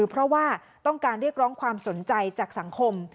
เพราะว่าต้องการเรียกร้องความสนใจจากสังคม